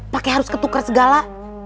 pake harus ketuker segala